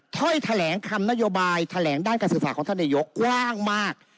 ถ้อยแถลงคำนโยบายแถลงด้านการศึกษาของท่านนายกกว้างมาก